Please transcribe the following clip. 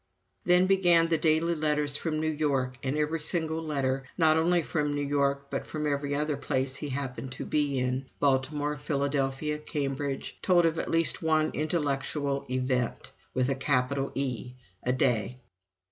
Then began the daily letters from New York, and every single letter not only from New York but from every other place he happened to be in: Baltimore, Philadelphia, Cambridge told of at least one intellectual Event with a capital E a day.